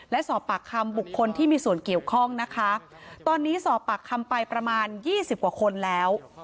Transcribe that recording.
และสอบปากคำบุคคลที่มีส่วนเกี่ยวข้องนะคะตอนนี้สอบปากคำไปประมาณยี่สิบกว่าคนแล้ว